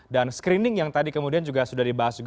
dan screening yang tadi kemudian juga sudah dibahas juga